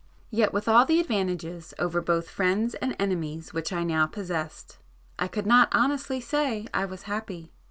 Yet with all the advantages over both friends and enemies which I now possessed I could not honestly say I was happy.